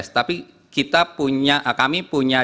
tapi kita punya kami punya